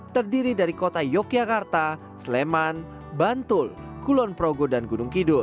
terdiri dari kota yogyakarta sleman bantul kulon progo dan gunung kidul